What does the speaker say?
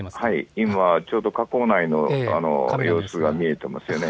今、ちょうど火口内の映像が見えています。